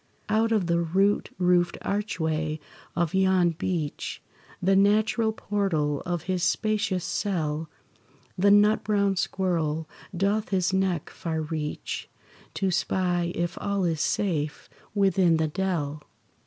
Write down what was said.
Out of the root roofed archway of yon beech, The natural portal of his spacious cell, The nut brown squirrel doth his neck far reach, To spy if all is safe within the dell.